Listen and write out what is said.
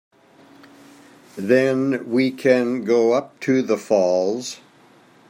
Then we can go up to the falls.